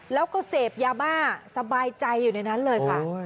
แล้วก็เสพยาบ้าสบายใจอยู่ในนั้นเลยค่ะ